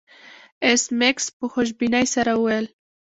ایس میکس په خوشبینۍ سره وویل